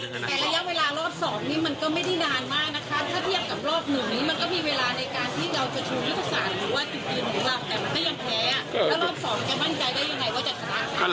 ขอบคุณนะครับขอบคุณนะครับ